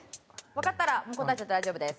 わかったらもう答えちゃって大丈夫です。